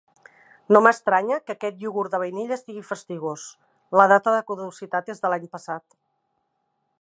No m'estranya que aquest iogurt de vainilla estigui fastigós, la data de caducitat és de l'any passat.